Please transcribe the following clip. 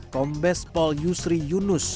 kombes paul yusri yunus